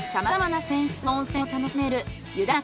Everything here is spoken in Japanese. さまざまな泉質の温泉を楽しめる湯田中